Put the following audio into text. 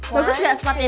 bagus gak spotnya